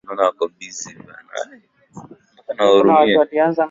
Jumla ya eneo ambako matawi ya mito yote hadi vijito asilia kabisa